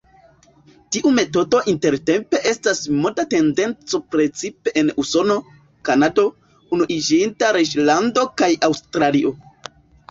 Tiu metodo intertempe estas moda tendenco precipe en Usono, Kanado, Unuiĝinta Reĝlando kaj Aŭstralio.